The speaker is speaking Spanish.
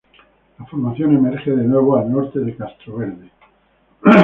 La formación emerge de nuevo al norte de Castroverde.